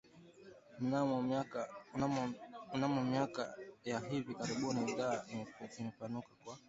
Mnamo miaka ya hivi karibuni idhaa imepanuka na